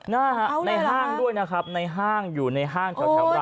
นะฮะในห้างด้วยนะครับในห้างอยู่ในห้างแถวเรา